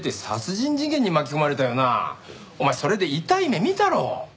お前それで痛い目見たろ？